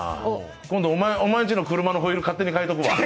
今度おまえん家の車のホイール勝手に変えとくわ。